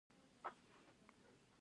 د تخار په بنګي کې د قیمتي ډبرو نښې دي.